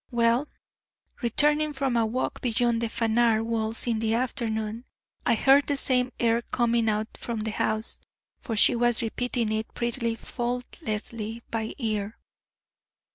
Well, returning from a walk beyond the Phanar walls in the afternoon, I heard the same air coming out from the house, for she was repeating it pretty faultlessly by ear.